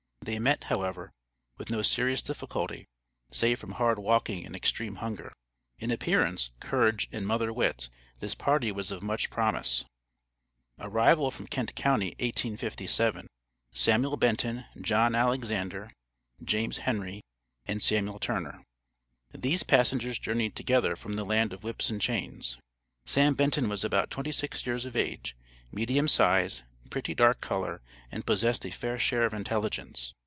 They met, however, with no serious difficulty, save from hard walking and extreme hunger. In appearance, courage, and mother wit, this party was of much promise. ARRIVAL FROM KENT COUNTY, 1857. SAMUEL BENTON, JOHN ALEXANDER, JAMES HENRY, AND SAMUEL TURNER. These passengers journeyed together from the land of whips and chains. Sam Benton was about twenty six years of age, medium size, pretty dark color, and possessed a fair share of intelligence.